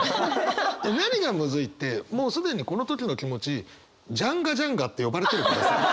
何がムズいってもう既にこの時の気持ち「ジャンガジャンガ」って呼ばれてるからさ。